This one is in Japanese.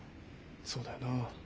そうだよな。